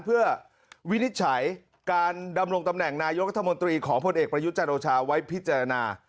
เพื่อวินิจฉัยการดำรงตำแหน่งนายกรัฐมนตรีของพลเอกประยุทธ์จันโอชาไว้พิจารณา